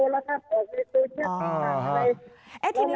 แรกที่นี้